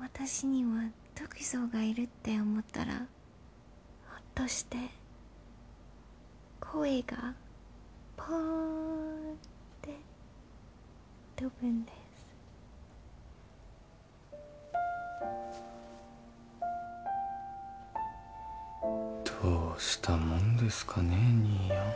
私にはトクゾがいるって思ったらホッとして声がポーンってとぶんですどうしたもんですかね兄やん